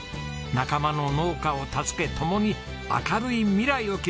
仲間の農家を助け共に明るい未来を築きたい。